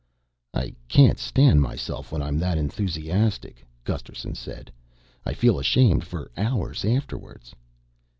"I can't stand myself when I'm that enthusiastic," Gusterson said. "I feel ashamed for hours afterwards."